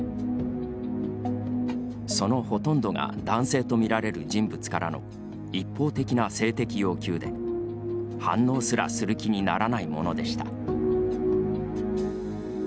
そのほとんどが男性と見られる人物からの一方的な性的要求で、反応すらする気にならないものでした。